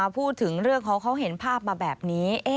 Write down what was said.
พูดถึงเรื่องเขาเขาเห็นภาพมาแบบนี้